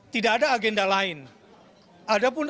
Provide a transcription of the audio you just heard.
tidak ada agenda lain